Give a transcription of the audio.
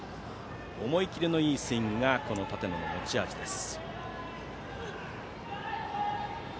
思い切りのいいスイングが舘野の持ち味です。